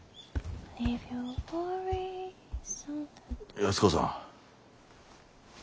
安子さん。